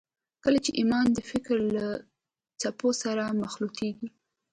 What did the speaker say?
کله چې ایمان د فکر له څپو سره مخلوطېږي